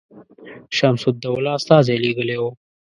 شمس الدوله استازی لېږلی وو.